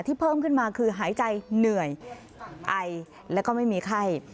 เพิ่มขึ้นมาคือหายใจเหนื่อยไอแล้วก็ไม่มีไข้